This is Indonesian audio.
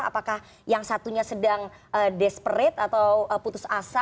apakah yang satunya sedang desperate atau putus asa